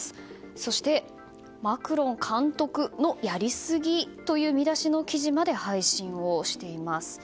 そして、マクロン監督のやりすぎという見出しの記事まで配信をしています。